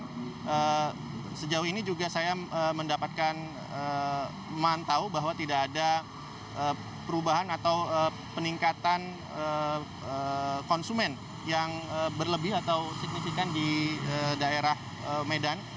dan sejauh ini juga saya mendapatkan mantau bahwa tidak ada perubahan atau peningkatan konsumen yang berlebih atau signifikan di daerah medan